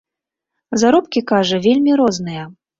Заробкі, кажа, вельмі розныя.